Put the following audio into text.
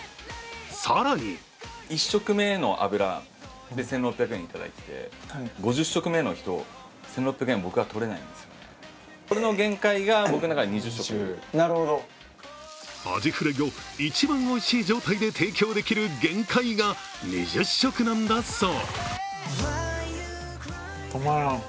更にアジフライを一番おいしい状態で提供できる限界が２０食なんだそう。